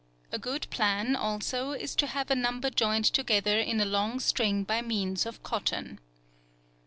A good plan, also, is to have a number joined together in a long string by means of cotton.